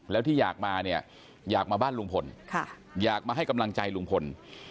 แล้วที่อยากมาเนี่ยอยากมาบ้านลุงพลอยากมาให้กำลังใจลุงพล